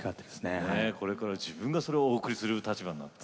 これからは自分がそれをお送りする立場に。